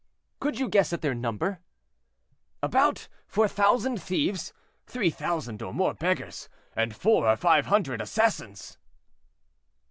"Could you guess at their number?" "About four thousand thieves, three thousand or more beggars, and four or five hundred assassins."